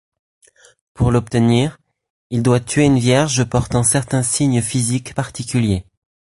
Pour l'obtenir, il doit tuer une vierge portant certains signes physiques particuliers.